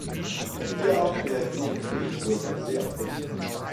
Hierauf reagieren Regenwürmer sehr empfindlich.